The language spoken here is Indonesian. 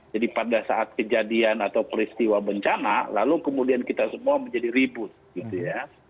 jadi pada saat kejadian atau peristiwa bencana lalu kemudian kita semua menjadi ribut gitu ya